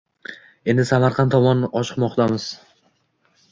Endi Samarqand tomon oshiqmoqdamiz.